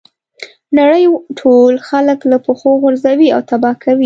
نړۍ ټول خلک له پښو غورځوي او تباه کوي.